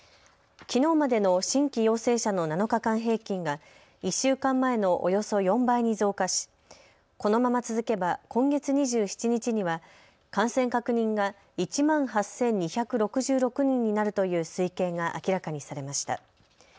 きのうまでの新規陽性者の７日間平均が１週間前のおよそ４倍に増加し、このまま続けば今月２７日には感染確認が１万８２６６人になるという推計が明らかにされました。